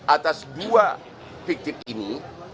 atas dua fiktif ini